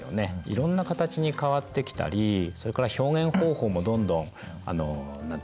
いろんな形に変わってきたりそれから表現方法もどんどん高度になってきますよね。